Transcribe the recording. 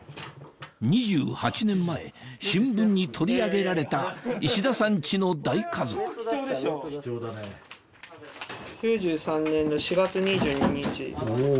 ２８年前新聞に取り上げられた石田さんチの大家族９３年の４月２２日。